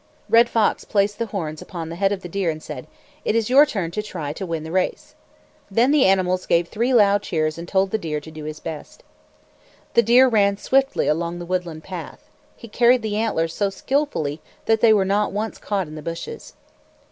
Red Fox placed the horns upon the head of the deer and said, "It is your turn to try to win the race." Then the animals gave three loud cheers and told the deer to do his best. The deer ran swiftly along the woodland path. He carried the antlers so skillfully that they were not once caught in the bushes.